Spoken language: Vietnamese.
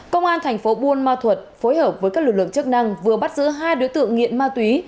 công an thành phố buôn ma thuật phối hợp với các lực lượng chức năng vừa bắt giữ hai đối tượng nghiện ma túy